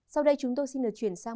sau đây chúng tôi xin được chuyển sang